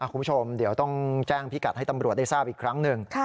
คุณผู้ชมเดี๋ยวต้องแจ้งพิกัดให้ตำรวจได้ทราบอีกครั้งหนึ่ง